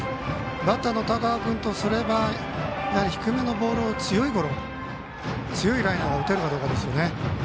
バッターの田川君とすれば低めのボールを強いゴロ、強いライナーを打てるかどうかですね。